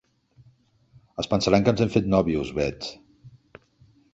Es pensaran que ens hem fet nòvios, Bet.